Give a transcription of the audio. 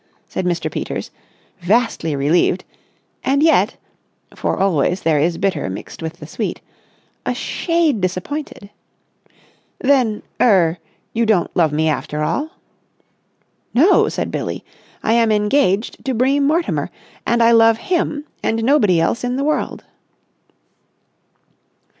said Mr. Peters, vastly relieved; and yet—for always there is bitter mixed with the sweet—a shade disappointed. "Then—er—you don't love me after all?" "No!" said Billie. "I am engaged to Bream Mortimer, and I love him and nobody else in the world!"